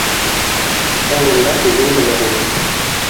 Ә унда үҙең беләһең...